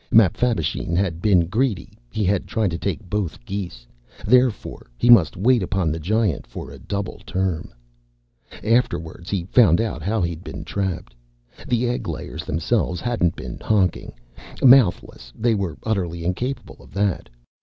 Mapfabvisheen had been greedy; he had tried to take both geese. Therefore, he must wait upon the Giant for a double term. Afterwards, he found out how he'd been trapped. The egglayers themselves hadn't been honking. Mouthless, they were utterly incapable of that.